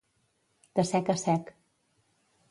De sec a sec.